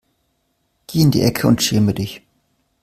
Geh in die Ecke und schäme dich.